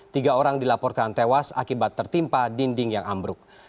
tiga orang dilaporkan tewas akibat tertimpa dinding yang ambruk